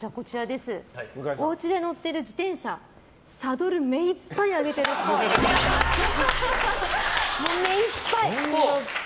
おうちで乗ってる自転車サドル目いっぱい上げてるっぽい。